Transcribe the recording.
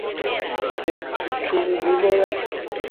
Sed ĉu vi volas?